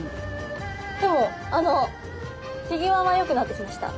でもあのてぎわはよくなってきました。